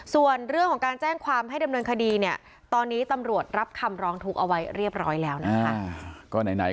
ส่วนเรื่องของการแจ้งความให้ดำเนินคดีเนี่ยตอนนี้ตำรวจรับคำร้องทุกข์เอาไว้เรียบร้อยแล้วนะคะ